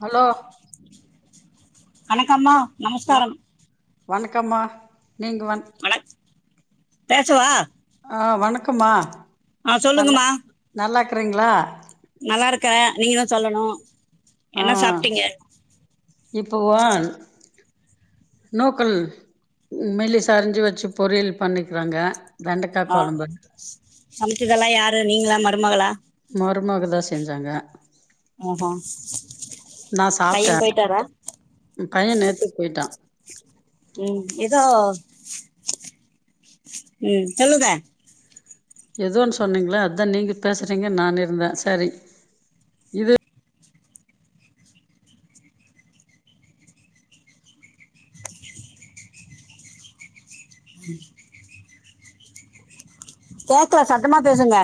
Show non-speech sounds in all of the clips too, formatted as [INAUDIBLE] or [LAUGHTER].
Hello வணக்கம்மா நமஸ்கார ணக்கம்மா நீங்க வன் பேசவா ஆ வணக்கம்மா ஆ சொல்லுங்கம்மா க்குறீங்ளா நல்லாருக்குற நீங்க தா சொல்லணு என்ன சாப்ட்டீங்க இப்பவா நூக்கல் மெல்லிசா அரிஞ்சு வச்சு பொரியல் பண்ணிக்கிறங்க ஆ சமைச்சதெல்லா யாரு நீங்ளா மருமகளா மருமகதா செஞ்சாங்க ம் ஹூ பையன் போயிட்டாரா ஏன் பையன் நேத்தே போய்ட்டா ம் எதோ ம் சொல்லுங்க எதோன் சொன்னீங்ல அதா நீங்க பேசுறீங்கன் நானிருந்தே சரி இது கேக்கல சத்தமா பேசுங்க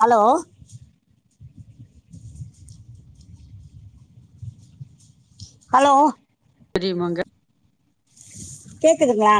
ஹலோ ஹலோ தெரியுமாங்க கேக்குதுங்ளா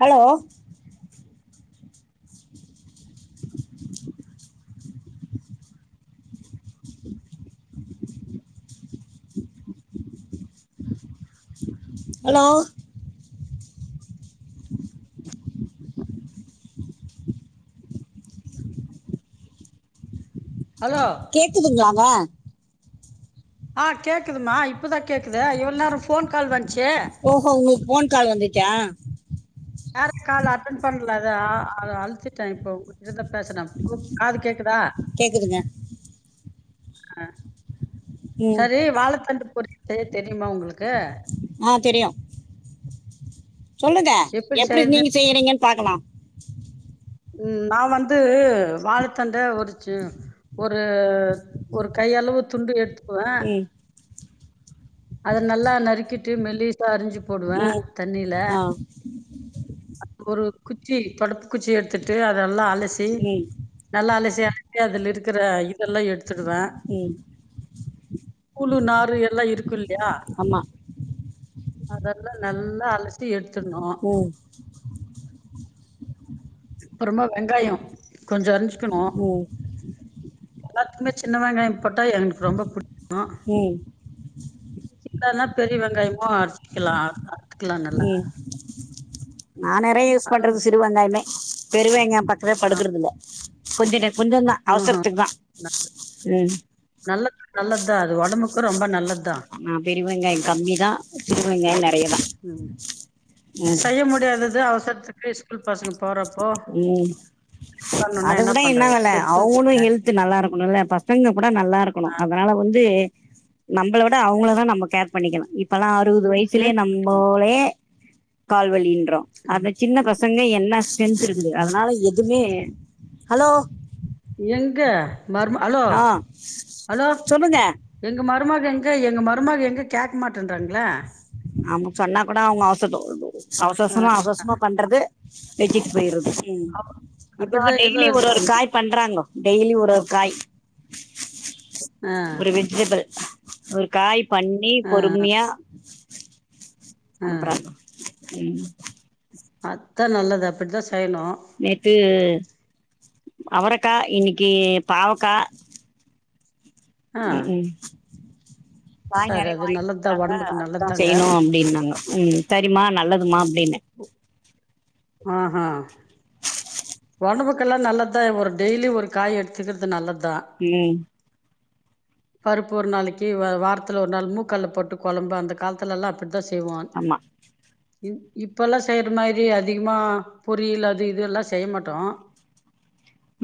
ஹலோ ஹலோ ஹலோ கேக்குதுங்ளாங்க ஆ கேக்குதும்மா இப்பதா கேக்குது இவ்ள நேரோ ஃபோன் கால் வந் ஓஹோ உங்ளுக் ஃபோன் கால் வந்துச்சா யாரு கால் அட்டன் பண்லதா அத அழிச்சட்டே இப்ப உங்கிட்ட பேசுறே ப்ப காது கேக்குதா கேக்குதுங்க அ ம் சரி வாழத்தண்டு பொரி செய்ய தெரியுமா உங்குளுக்கு ஆ தெரியு சொல்லுங்க எப்படி எப்டி செய்யறது நீங்க செய்றீங்கன் பாக்கலா ம் நா வந்து வாழத்தண்ட உரிச்சி ஒரு ஒரு கை கையளவு துண்டு எடுத்துக்குவே ம் அத நல்லா நறுக்கிட்டு மெல்லிசா அரிஞ்சி போடுவே ம் தண்ணில ஆ ஒரு குச்சி தொடப்ப குச்சி எடுத்துட்டு அத நல்லா அலசி ம் நல்லா அலசி அதுல இருக்குற இதெல்லா எடுத்துடுவே ம் கூளு நாறு எல்லா இருக்கு இல்லியா ஆமா அதெல்லா நல்லா அலசி எடுத் ம் அப்பறமா வெங்காயோ கொஞ்ச அரிஞ்சு ம் எல்லாத்துக்குமே சின்ன வெங்காயம் போட்டா எனக்கு ரொம்ப புடி ம் இல்லன்னா பெரிய வெங்காயமு அறுச்கிலா அறுத்துக்கலா நல்லா நா நெறைய யூஸ் அது பண்றது சிறு வெங்காயந்தே பெரு வெங்காயோ பக்கமே ஆ படுக்குறதில்ல கொஞ்ச கொஞ்சந்தா ஆஹா அவசரத்துக் தா நல்ல- ம் தா அது ஒடம்புக்கு ரொம்ப நல்லது நா பெரிவெங்காயம் கம்மி தா சிறுவெங்காயம் நற ம் செய்ய முடியாதது அவசரத்துக்கு ஸ்கூல் பசங்க போறப் உம் அத விட என்ன பண்றது வேலை பெருசும் அவங்களு கொஞ்சம் ஹெல்த் நல்லா இருக்கணுல்ல ஃபர்ஸ்ட் பசங்க கூட நல்லா இருக்கணு அடிச்சுதான். அதனால வந்து நம்பள விட அவங்கள தா நம்ம கேர் பண்ணிக்கனு இப்பெல்லா அறுவது வயசுலேயே எங்க நம்போலே கால்வலின்றோ அந்த ஆமா. சின்ன பச ங்க என்ன ஸ்ட்ரெந்த் இருக்குது அதனால எதுமே ஹலோ எங்க மரும ஹலோ ஆ ஹலோ சொல்லுங்க எங்க ம மருமக எங்க எங்க மருமக எங்க கேக்க மாட்டேன்றாங்களே அவங்க பண்ணா கூட அவங்க அவச ஆ அவசரவசரமா அவசரவசரமா பண்றது நிட்டிட்டு போயிருது ம் அப் இப்ப அப்படிதான் ஏதோ டெய்லி ஒரு ஒரு இருக்குங்க. காய் பண்றாங்கோ டெய்லி ஒரு ஒரு காய் ஆ ஒரு வெஜிடபிள் ஒரு காய் பண்ணி ஆ பொறுமையா ஆ அனுப்புறாங்கோ உம் அத்தா நல்லது அப்படிதா நேத்து அவரக்கா இன்னிக்கி பாவக்கா ஆ ம் ம் காய் சரி நெறைய அது நல்லதுதான் வாங்கிட்டிறிக்கிறாங்க உடம்புக்கு அதுதா நல்லதுதாங்க செய்யணு அப்டீன்னாங்க உம் சரிமா நல்லதுமா அப்டின்னே ஆ ஆ ஒடம்புக்கெல்லா நல்லத்தா ஒரு டெய்லி ஒரு காய் எடுத்துக்கிறது நல்லத்தா உம் பருப்பு ஒரு நாளைக்கி வ வாரத்துல ஒரு நாள் மூக்கால்ல போட்டு கொழம்பு அந்த காலத்துலல்லா அப்படி த செய்வா ஆமா இப்பெல்லா செய்யற மாரி அதிகமா பொரியல் அது இது எல்லா செய்ய மாட்டோ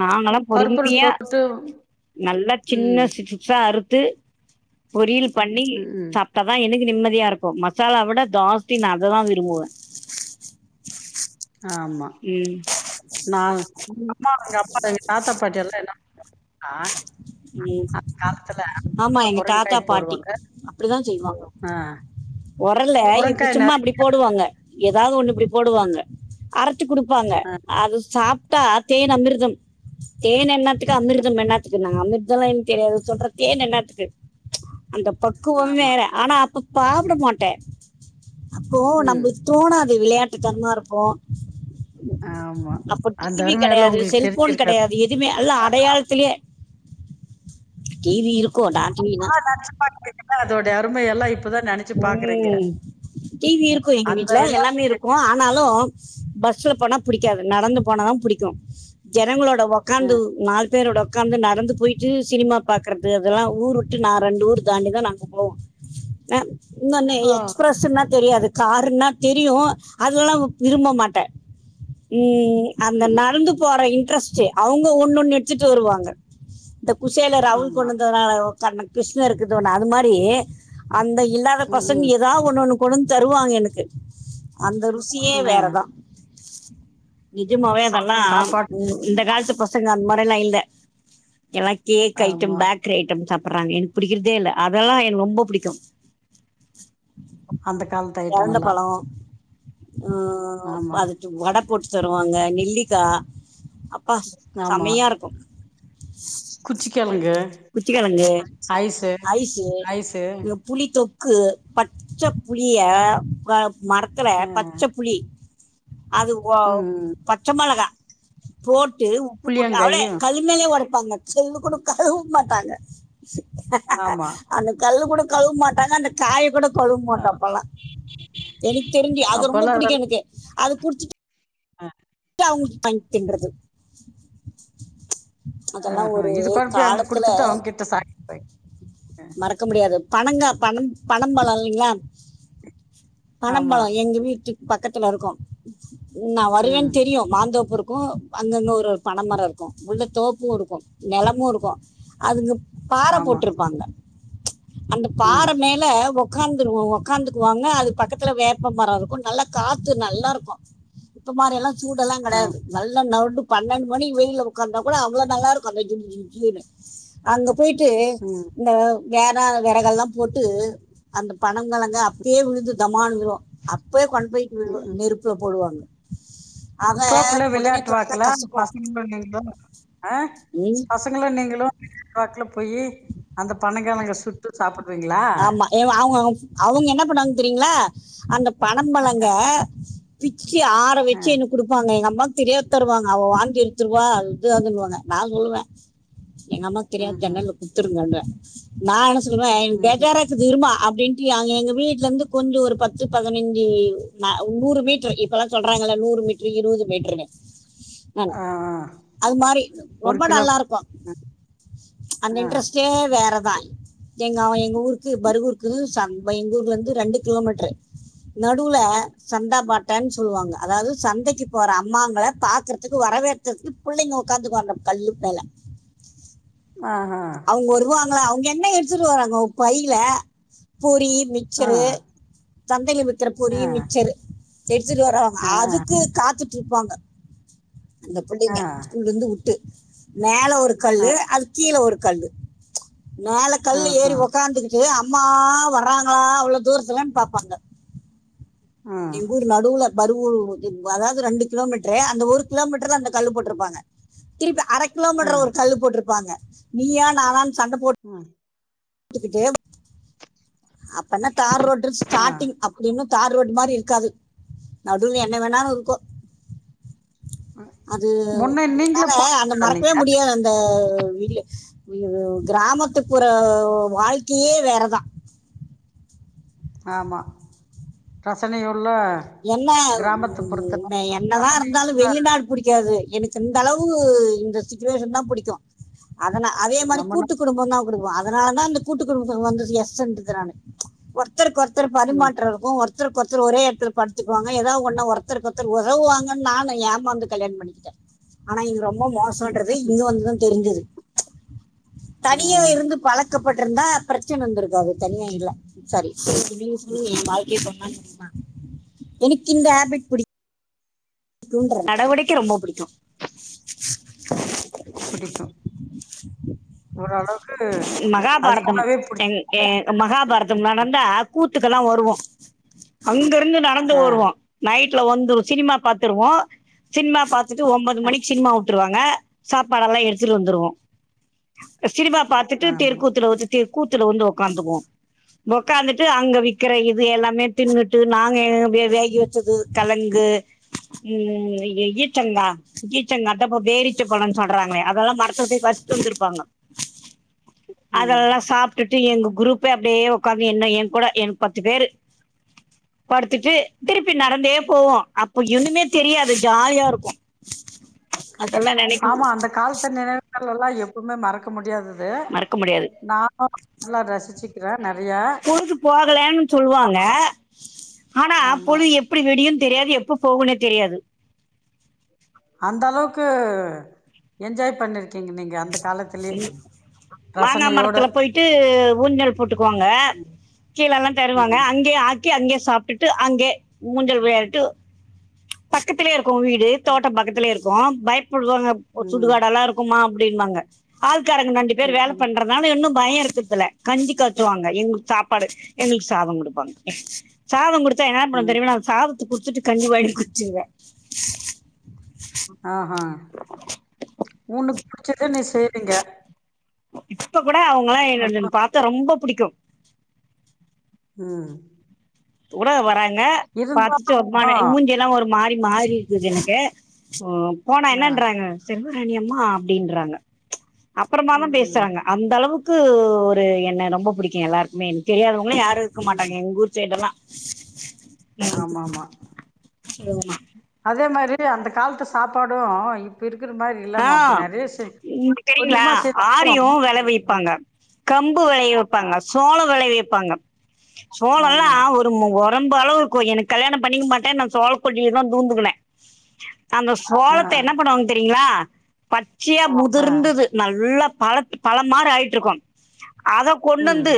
நாங்களா பொறுமையா நல்லா சின்ன ம் சிஸஸா அறு த்து பொரியல் பண்ணி ம் ம் சாப்ட்டா தா எனக்கு நிம்மதி யா இருக்கு மசாலா விட ஜாஸ்தி நா அததா விரும்புவே ஆமா ம் நா எங்க அம்மா எங்க அப்பா எங்க தாத்தா பாட்டி எல்லா என்ன ஆ ம் அந் காலத்துல ஆமா ரொம்ப எங்க முருங்கா தாத்தா பாட்டி போடுவாங்க ஆ உரல்ல இப்டி முருங்காய் சும்மா நெறைய அப்டி போடுவாங்க எதாவது ஒன்னு இப்டி போடுவாங்க அரைச்சி குடுப்பாங்க ஆ அது சாப் ட்டா தேன் அமிர்தம் தேன் என்னாத்துக்கு அமிர்தம் என்னாத்து என்னாத்துக் அமிர்தல்லா எனக்கு தெரியாது சொல்ற தேன் என்னாத்துக்கு அந்தப் பக்குவம் ஆமா. வேற ஆனா அப்ப சாப்பிட மாட்டே அப்போ ம் நம்முளுக்கு தோணாது விளையாட்டு தனமா இருப்போ ஆமா. அப்ப அந்த டி வி அருமையெல்லாம் கிடையாது உங்களுக்கு செல்ஃபோன் தெரிஞ்சிருக்காது. கிடையாது எதுவுமே அல்லா அடையாளத்திலயே டீ வி இரு இப்பல நெனச்சு பாக்கைல அதோட அருமையெல்லா உம் டி வி இருக்கும் எங்க அந்த வீட்ல எல்லாமே விலாசத்து இருக்கும் ஆனாலு பஸ்ல போனா புடிக்காது நடந்து போனாதா புடிக்கும் ஜனங்களோட உக்காந்து ம். நாலு பேரோட உக்காந்து நடந்து போயிட்டு ‌சினிமா பாக்குறது அதெல்லாம் ஊர் நா ரெண்டு ஊர் தாண்டி தா நாங்க போவோம் இன்னொன்னு ஓ! எக்ஸ்பிரஸ்னா தெரியாது காருன்னா தெரியும் அதல்லாம் விரும்ப மாட்ட உம் அந்த ம். ம். நடந்து போற இன்ட்ரெஸ்டு அவுங்க ஒண்ணு ஒண்ணு எடுத்துட்டு வருவாங்க இந்த குசேல ராகுல் ஆமா. கொண்டு வந்தனால கிருஷ்ணர் இருக்கட்டும் அது மாரி அந்த ஹண்டர்ட் ம். பெர்சென்ட் ம். ஏதாவது ஒன்ன ஒன்னு கொண்டு வந்து தருவாங்க எனக்கு அந்த ருசியே ஆ. வேறதா நிஜமாவே அதெல்லா சாப்பாடு இந்த காலத்து பசங்க அந்த மாரி இல்ல எல்லாம் கேக் ஐட்டம் ஆமா. பேக்கரி ஐடம்ஸ் சா பிடுறாங்க எனக்கு புடிக்கற்தே இல்ல அதெல்லாம் எனக்கு ரொம்ப பிடிக்கும் அந்த காலத்து ஐட்டமெல்லா ஆ அது வட போட்டுத் தருவாங்க நெல்லிக்கா ப்பா செமையா இருக்கும் குச்சிக்கிழங்கு குச்சிக்கிழங்கு ஐசு ஐஸு. புளித் தொக் க்கு பச்ச புளிய மறக்கற ஆ. பச்ச புளி அது ம். ம். பச்சை மொளகா போட் ட்டு உப்பு போட்டு அவளே புளியங்காயும். கல்லு மேலயே உடைப்பாங்க செல்லு கூட கழுவ மாட்டாங்க ஆமா. அந்த கல்லு கூட கழுவ மாட்டாங்க அந்தக் காய கூட கழுவ ஆ மாட்டாங்க அப்பல்லா எனக்கு தெரிஞ்சு அது ரொம்ப அப்பல்லா புடிக்கும் அதெல்லா எனக்கு அது குடிச்சிட்டு அவுங்குளுக்கு தின்றது அதெல்லா ஆஹா ஒரு இது கொண்டு போய் அங்க காலத் குடுத்துட்டு அவுங்கக் கிட்ட சாரி மறக்க முடியாது பணங்க பணம் பணம் பழம் இல்லிங்களா ஆமா பனம்பழம் எங்க வீட்டுக்கு பக்கத்துல இருக்கும் நான் ம் வருவேனு தெரியும் மாந்தோப்பு இருக்கு அங்கங்க ஒரு ஒரு பனமரம் இருக்கு உள்ள தோப்பும் இருக்கு நிலமும் இருக்கு அதுங்க பாற ஆமா போட்ருப்பாங்க அந்த ம் பாற மேல உக்காந்து உகாந்துக்குவாங்க அது பக்கத்துல வேப்போ மரோ இருக்கு நல்லா காத்து நல்லா இருக்கு இப்ப மாரி எல்லா சூடெல்லா ஆ கிடையாது நல்லா நடு பன்னெண்டு மணி வெயில்ல உட்காந்தா கூட அவ்வளோ நல்லாருக்கும் [UNINTELLIGIBLE] அங்க போயிட்டு ம் இந்த வேர விறகெல்லாம் போட்டு அந்த ப பணோ கிழங்க அப்பே விழுந்து தமாந்துரு அப்பே கொண்டு போய் ம் ம். நெருப்புல போடுவாங்க ஆக தோப்புல உடனே தொட்டா விளையாட்டுவாக்கல கசக்கும் பசங்க ஆ ம். பசங்களா நீங்களும் நடவாக்குல போயி அந்த பணங்கிழங்க சுட்டு சாப்ட்டு ஆமா அவுங்க அவங்க என்ன பண்ணாங்க தெரியுங்களா அந்த ஆ பனம்பழங்க பிச்சு ஆற ஆ வச்சு எனக்கு குடுப்பாங்க எங்க அம்மா தெரியா தருவாங்க அவ வாந்தி எடுத்துருவா அ இது அதுன்னுவாங்க நான் சொல்லுவே எங்க அம்மாக்கு தெரியாம ம்ஹும் ஜன்னல்ல குடுத்துருங்க நான் என்ன சொல்லவே ம்ஹும் பேஜாரா இருக்கு இருமா அப்டின்ட்டு எங்க வீட்ல இருந்து கொஞ்ச ஒரு பத்து பதினைஞ்சு நூறு மீட்டர் இப்பதான் சொல்றாங்க நூறு மீட்ரு இருபது மீட்ரு அ ஆ ஆ அது மாரி ஒரு ரொம்ப கிலோ நல்லா இருக்கு அந்த ஆ இன்ட்ரெஸ்ட்டே வேறதான் எங்க எங்க ஊருக்கு பருகூருக்கு எங்க ஊர்ல இருந்து ரெண்டு கிலோமீட்ரு நடுல சந்தா பாட்டன்னு சொல்லுவாங்க அதாவது சந்தைக்கு போற அம்மாங்களை பார்க்கறதுக்கு வர வரவேறதுக்கு பிள்ளைங்க உட்காந்துக்கு வம் கல்லு மேல ஆஹ்ஹ ா அவங்க என்ன எடுத்துட்டு வறாங்க பையில பூரி ஆ மிச்சரு சந்தைல வித்தற ஆ பொறி மிச்சரு எ வரவங்க ஆ ஆ அதுக்கு காத்துட்டு இருப்பாங்க அந்த ஆ பிள்ளைங்க ஸ்கூல்ல இருந்து வி மேல ஒரு ஆ கல்ல அது கீழே ஒரு கல்ல மேல கல்ல ஆஹா ஏறி ஒக் அம்மா வராங்களா அவ்வளவு தூரத்துலன்னு பார்ப்பாங்க ஆ எங்கூர் நடுவுல பரு அதாவது ரெண்டு கிலோமீட்ரு அந்த ஒரு கிலோமீட்டர்ல அந்த கல்ு போட்ருப்பாங்க திருப்பா அரை ஆ கிலோமீட்டர் ஒரு கல்ு போட்ருப்பாங்க நீயா நான சண்டை போட்டு ஆ க்கிட்டே அப்பனா தார் ரோட ஆ ஸ்டார்டிங் அப்படின்னு தார் ரோட் மாதிரி இருக்காது நட என்ன வேணாலனு இருக்கு அது முன்ன நீங்களே என்னால அந்த மறக்கவே போட்டுந்தீங்க முடியாது அந்த கிராமத்துக்புற வாழ்க்கையே வேறதான் ஆமா ரசனையோட என்ன உ என்னதான் இருந்தாலும் ரசனையுள்ள வெளிநாடு புடிக்காது எனக்கு இந்த அளவு இந்த சுச்சுவேஷன் தா புடிக்கு அதனா அதே மாரி நம்மனா கூட்டு குடும்பந்தா குடுக்கு அ அதனால தா இந்த கூட்டுக்குடும்பத்துக்கு வந்தது எஸ்ட்டுன் இருக்க நானு ஒர்த்தருக்கு ஒர்த்தர் ம் பரிமாற்ற இருக்கு ஒர்த்த தருக்கொர்த்தர் ஒரே எட்த்துல படுத்துக்வாங்க எதா ஒன்னா ஒரத்தருக்கு ஒருத்தர் ஒதவுவாங்கன் நானு ஏமாந்து கல்யாண பண்ணிக்கிட்டே ஆனா இங்க ரொம்ப மோசோன்றது ம், இங்க வந்துதா தெரிஞ்சது ஆ தனியா இருந்து பழக்கப்பட்ருந்தா பிரச்சன வந்திருக்காது தனியா இல்ல சாரி எனக்கு இந்த ஹேபிட் புடிக் குன்றே நடவடிக்க ரொம்ப புடிக்கு புடிக்கு ஓரளவுக்கு [INAUDIBLE] மகாபாரதம் அதிகமாவே புடிச்சு என் எ மகாபாரதம் நடந்தா கூத் துக்கெல்லா வருவோ அங்கருந்து நடந்து ஆ வருவோ நைட்ல வந்து சினிமா பாத்து துருவோ சினிமா பாத்துட்டு ஒன்போது மணிக்கு சினிமா விட்ருவாங்க சாப்பாடெல்லா எடுத்துட்டு வந்துருவோ அ சினிமா பாத்துட்டு ஆமா தெருக்கூத்துல வந்துட்டு கூத்துல வந்து ஒக்காந்துக்குவோ ஒக்காந்துட்டு அங்க விக்கிற இது எல்லாமே தின்னுட்டு நாங்க வேகாயி வச்சது கெழங்கு ம் உங்கள எ ஈச்சங்கா ஈச்சங்காதா இப்ப பேரிச்சப்பழன் சொல்றாங்களே அதெல்லா மரத்த விட்டு வச்ட்டு வந்திருப்பாங்க ம் அதெல்லா சாப்ட்டுட் ட்ரு எங்க குரூப்பே அப்டியே ஒக்காந்து என்ன எ கூட எனக்கு பத்து பேரு படுத்துட்டு திருப்பி நடந்தே போவோ அப் ப்போ என்னுமே தெரியாது ஜாலியா இருக்கு அதெல்லா நெனைக்கும் அதெல்லா எப்பவுமே மறக்க முடியாதது மறக்க முடியாது நானு நல்லா ரசிச்சு பொழுது போகலன்னு சொல்லுவாங்க ஆனா ஆமா பொழுது எப்டி விடியுனு தெரியாது எப்ப போகுனே தெரியாது அந்த அளவுக்கு என்ஜாய் பண்ணிருக்கீங்க நீங்க அந்த காலத்துலே மாங்கா மரத்துல போயிட்டு ஊஞ்சல் போட்டுக்குவாங்க ம் கீழெல்லா தருவாங்க ம் அங்கே ஆக்கி அங்கே சாப்ட்டுட்டு அங்கே ஊஞ்சல் விளையாடிட்டு பக்கத்திலே இருக் க்கு வீடு தோட்டோ பக்கத்துலே இருக்கு பயப்புடுவாங்க அ ம் சுடுகாடெல்லா இருக்குமா அப்டின்பாங்க ஆள்காரங்க இந்த அஞ்சு பேரு ம் வேல ம் பண்றதுனாலு இன்னும் பய இருக்குறதுல்ல கஞ்சி காச்சுவாங்க இவ்ங்களுக்கு சாப்பாடு எங்களுக்கு சாத குடுப்பாங்க சாத குடுத் தா என்னாப் பண்ணுவ ம் தெரியுங்களா சாதத்த குடுத்துட்டு கஞ்சி வாங்கி குடுச்சிருவே ஆஹா ஊன்னுக்குப் புடிச்சத நீ செய்றீங்க இப்ப கூட அவங்கலா என்ன வந்து ஆமா என்ன பாத்தா ரொம்ப புடிக்கு ம் ஊட வராங்க பாத்துட்டு இருந்தாலு ஒரு ஆ [UNINTELLIGIBLE] எ மூஞ்சியெல்லா ஒரு மாறி மாறி இருக்குது எனக்கு ம் போனா ஆ என்னன்றாங்க சென் னியம்மா அப்டின்றாங்க அப்பறமா தா ம் ம் பேசுறாங்க அந்த அளவுக் கு ஒரு என்ன ரொம்ப புடிக்கு எல்லாருக்குமே எனக்கு தெரியாதவ்ங்களு யாரு இருக்க மாட்டாங்க எங் ஊர் சைடெல்லா ஆமாம்மா [UNINTELLIGIBLE] அதே மாரி அந்த கால்த்து சாப்பாடு இப்ப இருக் ஆ தெரியுங்ளா கொஞ்சமா செஞ்சாலு ஆரியு வெள ம் வைப்பாங்க கம்பு வெளைய வெப்பாங்க ஆமா சோளோ வெளைய வெப்பாங்க சோளோலா ஆமா ஒரு [UNINTELLIGIBLE] ரொம்ப அளவு இருக்கு எனக்கு கல்யாண பண்ணிக்க மாட்டே நா சோழ கொல்லியிலதா தூங்குதுவே அந்த சோளத்த என்ன ஆ பண்ணுவாங்க தெரியுங்ளா பச்சையா ஆ முதிர்ந்தது நல்லா பழத் பழ மாரி ஆயிட்ருக்கு அத ம் கொண்டந்து